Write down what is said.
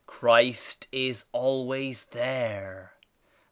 Christ is always there.